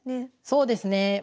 そうですね。